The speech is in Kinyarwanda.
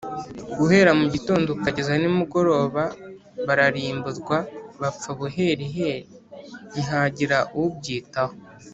guhera mu gitondo ukageza nimugoroba bararimburwa, bapfa buheriheri ntihagire ubyitaho